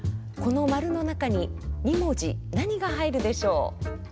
この○の中に２文字何が入るでしょう？